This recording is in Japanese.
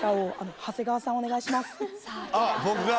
あっ僕が？